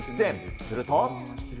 すると。